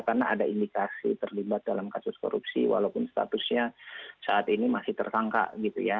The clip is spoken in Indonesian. karena ada indikasi terlibat dalam kasus korupsi walaupun statusnya saat ini masih tertangka gitu ya